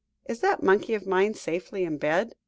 Is that monkey of mine safely in bed?"